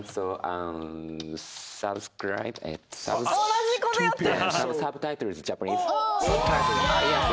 同じことやってる！